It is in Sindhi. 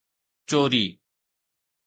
چوري